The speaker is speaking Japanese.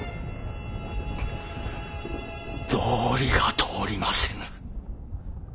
道理が通りませぬ。